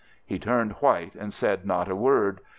"He turned white and said not a word.